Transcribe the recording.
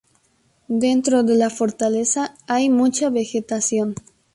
Dentro de la fortaleza hay mucha vegetación.